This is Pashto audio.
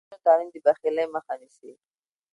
د نجونو تعلیم د بخیلۍ مخه نیسي.